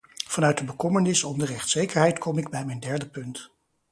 Vanuit de bekommernis om de rechtszekerheid kom ik bij mijn derde punt.